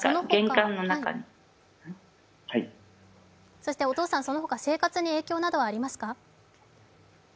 そしてお父さん、そのほか生活に影響などはありますか？